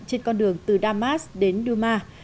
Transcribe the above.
trên con đường từ damas đến đu ma